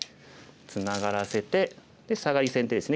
ツナがらせて。でサガリ先手ですね。